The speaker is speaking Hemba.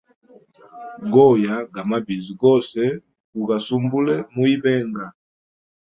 Goya ga mabizi gose gu sumbule mu ibenga.